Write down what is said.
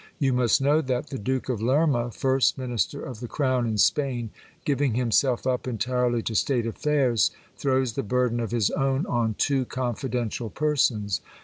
You must know that the Duke of Lerma, first minister of the crown in Spain, giving himself up entirely to state affairs, throws the burden of his own on two confidential per sons.